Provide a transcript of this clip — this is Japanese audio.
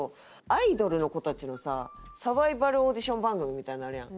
アイドルの子たちのさサバイバルオーディション番組みたいなのあるやん。